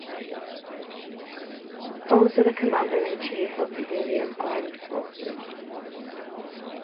The President is also the Commander-in-chief of the Indian Armed Forces.